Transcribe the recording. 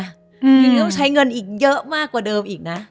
อย่างนี้ต้องใช้เงินอีกเยอะมากกว่าเดิมอีกนะ